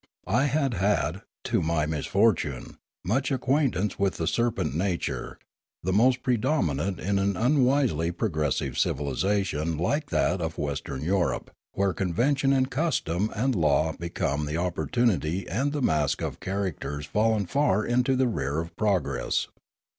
I had had, to my mis fortune, much acquaintance with the serpent nature, the most predominant in an unwisely progressive civili sation like that of Western Europe where convention 22 Limanora and custom and law become the opportunity and the mask of characters fallen far into the rear of progress.